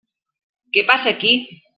Què passa aquí?